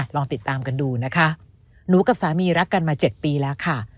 ลองติดตามกันดูนะคะหนูกับสามีรักกันมา๗ปีแล้วค่ะ